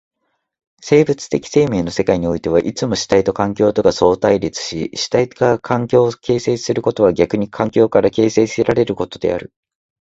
生物的生命の世界においてはいつも主体と環境とが相対立し、主体が環境を形成することは逆に環境から形成せられることである。